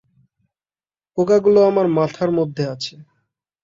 পোকাগুলো আমার মাথার মধ্যে আছে।